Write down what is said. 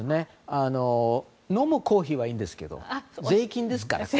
飲むコーヒーはいいんですけど税金ですから。